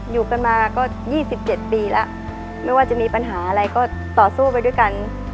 อยู่กันมาก็๒๗ปีแล้วไม่ว่าจะมีปัญหาอะไรก็ต่อสู้ไปด้วยกัน